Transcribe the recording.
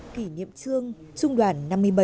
kỷ niệm chương trung đoàn năm mươi bảy